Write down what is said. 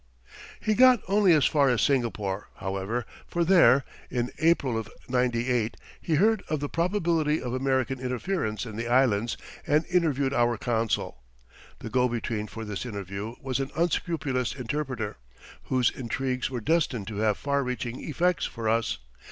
He got only as far as Singapore, however, for there in April of '98 he heard of the probability of American interference in the Islands and interviewed our consul. The go between for this interview was an unscrupulous interpreter, whose intrigues were destined to have far reaching effects for us.